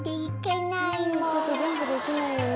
ちょっとジャンプできないよね。